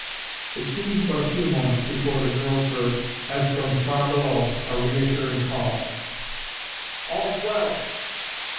It seemed but a few moments before the girls heard, as from far below, a reassuring call, "All's well!"